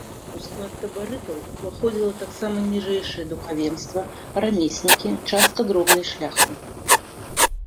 У склад табарытаў уваходзіла таксама ніжэйшае духавенства, рамеснікі, частка дробнай шляхты.